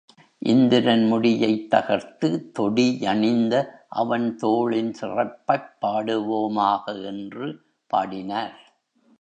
இந்திரன் முடியைத் தகர்த்து தொடி, யணிந்த அவன்தோளின் சிறப்பைப் பாடுவோமாக என்று பாடினார்.